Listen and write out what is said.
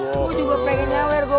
oke gue juga pengen nyawir